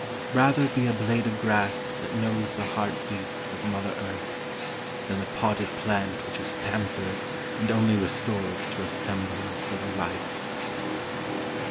Rather be a blade of grass that knows the heart beats of Mother Earth, than the potted plant which is pampered and only restored to a semblance of life.